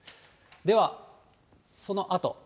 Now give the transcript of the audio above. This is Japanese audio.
ではそのあと。